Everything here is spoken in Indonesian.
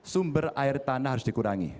sumber air tanah harus dikurangi